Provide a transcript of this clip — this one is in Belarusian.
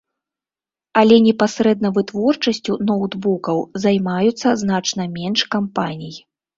Але непасрэдна вытворчасцю ноўтбукаў займаюцца значна менш кампаній.